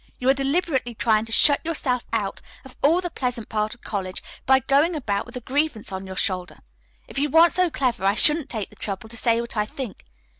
You are deliberately trying to shut yourself out of all the pleasant part of college by going about with a grievance on your shoulder. If you weren't so clever I shouldn't take the trouble to say what I think.